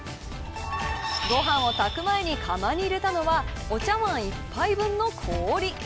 ご飯を炊く前に釜に入れたのはお茶わん１杯分の氷。